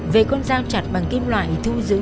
về con dao chặt bằng kim loại thu giữ